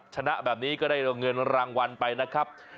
ชนะแบบนี้ก็ได้เงินรางวัลไปนะครับ